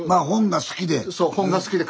本が好きで？